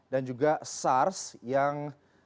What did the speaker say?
dan juga sars yang